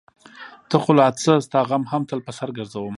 ته خو لا څه؛ ستا غم هم تل په سر ګرځوم.